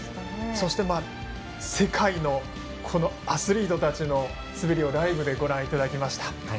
そして世界のアスリートたちの滑りをライブでご覧いただきました。